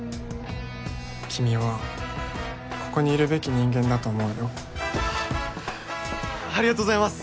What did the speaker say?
君はここにいるべき人間だと思うよありがとうございます